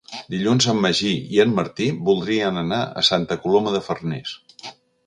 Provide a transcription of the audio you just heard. Dilluns en Magí i en Martí voldrien anar a Santa Coloma de Farners.